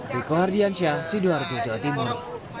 di kohardiansyah sidoarjo jawa timur